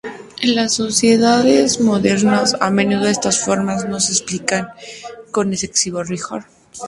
En las sociedades modernas, a menudo estas normas no se aplican con excesivo rigor.